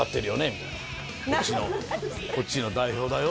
みたいなこっちの代表だよ？